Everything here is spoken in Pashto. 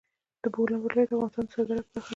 د بولان پټي د افغانستان د صادراتو برخه ده.